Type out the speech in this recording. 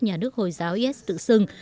nhà nước hồi giáo is tự xưng